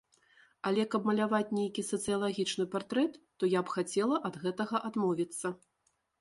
Але каб маляваць нейкі сацыялагічны партрэт, то я б хацела ад гэтага адмовіцца.